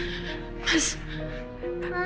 kalian berdua langsung kurung mereka di kamar